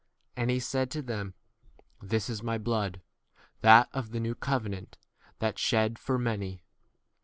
And he said to them, This is my blood, that of the new covenant, that shed for 25 many.